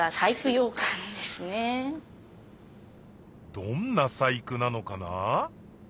どんな細工なのかな？